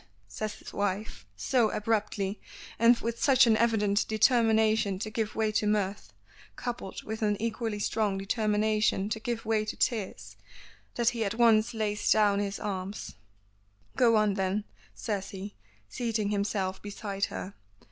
says his wife, so abruptly, and with such an evident determination to give way to mirth, coupled with an equally strong determination to give way to tears, that he at once lays down his arms. "Go on then," says he, seating himself beside her.